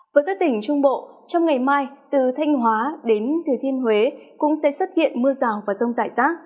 với các tỉnh trung bộ trong ngày mai từ thanh hóa đến thừa thiên huế cũng sẽ xuất hiện mưa rào và rông rải rác